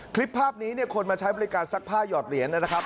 คลิปภาพนี้เนี่ยคนมาใช้บริการซักผ้าหยอดเหรียญนะครับ